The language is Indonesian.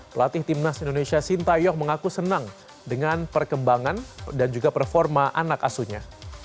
pelatih timnas indonesia sintayong mengaku senang dengan perkembangan dan juga performa anak asuhnya